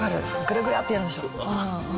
グラグラってやるんでしょ？